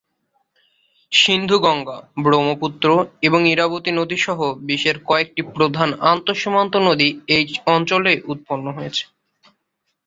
সিন্ধু গঙ্গা, ব্রহ্মপুত্র এবং ইরাবতী নদী সহ বিশ্বের কয়েকটি প্রধান আন্তঃসীমান্ত নদী এই অঞ্চলেই উৎপন্ন হয়েছে।